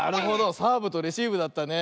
サーブとレシーブだったね。